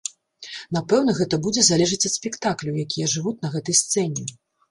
Напэўна, гэта будзе залежыць ад спектакляў, якія ажывуць на гэтай сцэне.